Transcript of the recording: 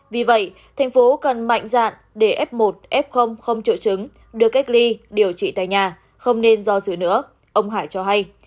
vì vậy thành phố cần mạnh dạn để f một f không triệu chứng được cách ly điều trị tại nhà không nên do dự nữa ông hải cho hay